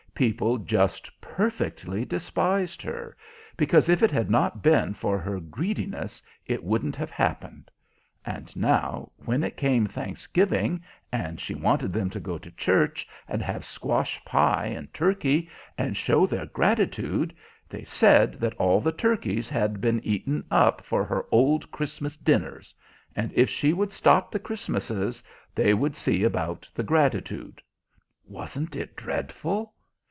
People just perfectly despised her, because if it had not been for her greediness it wouldn't have happened; and now, when it came Thanksgiving, and she wanted them to go to church, and have squash pie and turkey, and show their gratitude, they said that all the turkeys had been eaten up for her old Christmas dinners, and if she would stop the Christmases, they would see about the gratitude. Wasn't it dreadful?